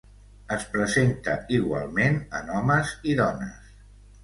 Es presenta igualment en homes i dones.